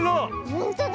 ほんとだ。